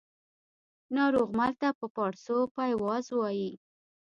ناروغمل ته په پاړسو پایواز وايي